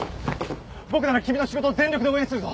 僕なら君の仕事を全力で応援するぞ。